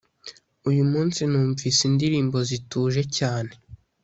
Uyu munsi numvise indirimbo zituje cyane